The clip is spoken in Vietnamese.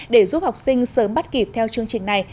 để giúp học sinh sớm bắt kịp theo chương trình này